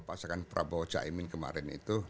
pasangan prabowo jai iman kemarin itu